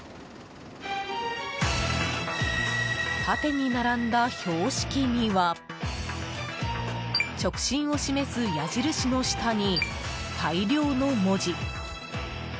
縦に並んだ標識には直進を示す矢印の下に大量の文字。